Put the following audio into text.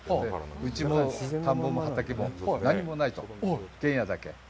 うちも田んぼも畑も何もないと、一軒家だけ。